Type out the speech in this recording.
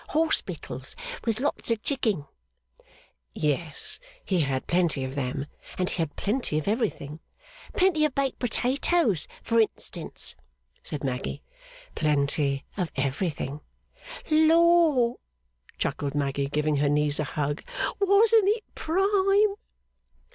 Hospitals with lots of Chicking.' 'Yes, he had plenty of them, and he had plenty of everything.' 'Plenty of baked potatoes, for instance?' said Maggy. 'Plenty of everything.' 'Lor!' chuckled Maggy, giving her knees a hug. 'Wasn't it prime!